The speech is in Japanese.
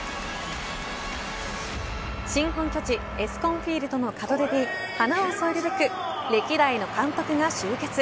新本拠地エスコンフィールドの門出に花を添えるべく歴代の監督が集結。